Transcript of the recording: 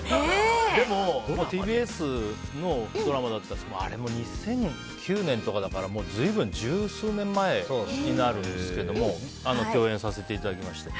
でも、ＴＢＳのドラマだったしあれも２００９年とかだから随分十数年前になりますけど共演させていただきまして。